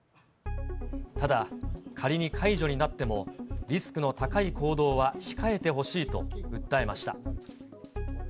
ただ、仮に解除になっても、リスクの高い行動は控えてほしいと訴えました。